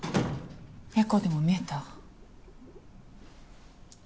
エコーでも見えた？